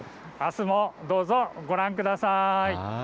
あすもどうぞご覧ください。